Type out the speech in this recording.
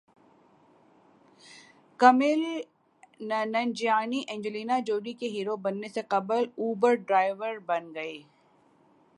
Kumail Nanjiani Angelina Jolie کے hero بننے سے قبل اوبر ڈرائیور بن گئے